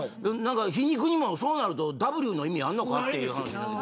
皮肉にも、そうなるとＷの意味あるのかって。